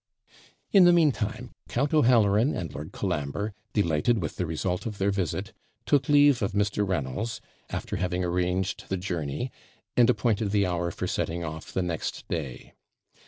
In the meantime Count O'Halloran and Lord Colambre, delighted with the result of their visit, took leave of Mr. Reynolds, after having arranged the journey, and appointed the hour for setting off the next day.